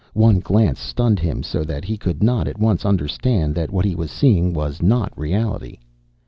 One glance stunned him so that he could not at once understand that what he was seeing was not reality.